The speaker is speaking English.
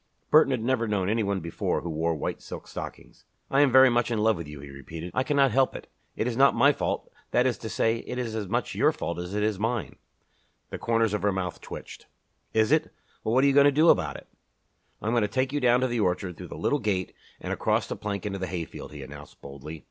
Burton had never known any one before who wore white silk stockings. "I am very much in love with you," he repeated. "I cannot help it. It is not my fault that is to say, it is as much your fault as it is mine." The corners of her mouth twitched. "Is it? Well, what are you going to do about it?" "I am going to take you down to the orchard, through the little gate, and across the plank into the hayfield," he announced, boldly.